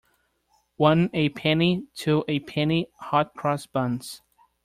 One a penny, two a penny, hot cross buns